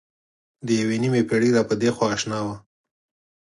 د یوې نیمې پېړۍ را پدېخوا اشنا وه.